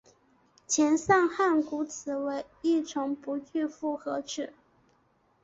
前上颌骨齿为一丛不具复合齿。